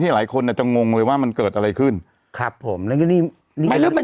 หลายคนอาจจะงงเลยว่ามันเกิดอะไรขึ้นครับผมแล้วก็นี่นี่